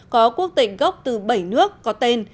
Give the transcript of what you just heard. có quốc tịch gốc từ bảy nước có tên